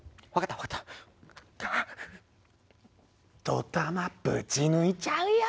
どたまぶち抜いちゃうよ！